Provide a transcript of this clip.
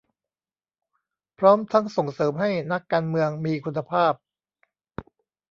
พร้อมทั้งส่งเสริมให้นักการเมืองมีคุณภาพ